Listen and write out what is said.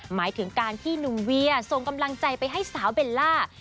หมายถึงการที่หนุ่มเวียส่งกำลังใจไปให้สาวเบลล่า